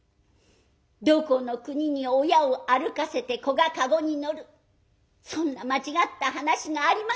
どこの国に親を歩かせて子が駕籠に乗るそんな間違った話がありましょう。